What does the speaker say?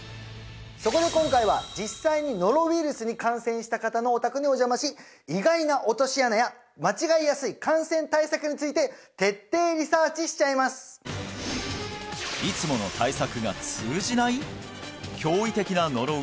そこで今回は実際にノロウイルスに感染した方のお宅にお邪魔し意外な落とし穴や間違えやすい感染対策について徹底リサーチしちゃいますいつもの対策が通じない？